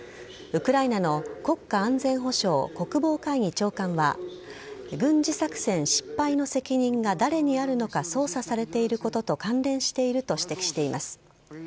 ウクライナの国家安全保障・国防会議長官は軍事作戦失敗の責任が誰にあるのか捜査されていることと関連していると指摘しています。